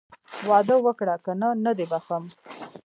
واده وکړه که نه نه دې بښم.